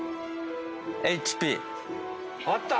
「ＨＰ」あった！